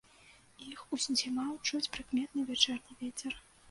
Іх уздзімаў чуць прыкметны вячэрні вецер.